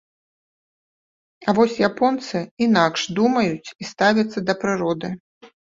А вось японцы інакш думаюць і ставяцца да прыроды.